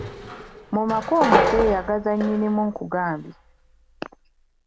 Mu maka omwo keeyagaza nnyinimu nkugambye!